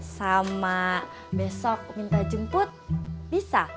sama besok minta jemput bisa